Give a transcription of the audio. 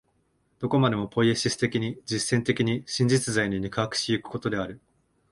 どこまでもポイエシス的に、実践的に、真実在に肉迫し行くことである。